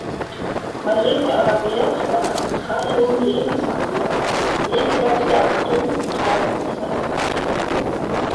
Man legte aber Wert auf einen tadellosen Lebenswandel, gegenseitige Achtung und gab Satisfaktion.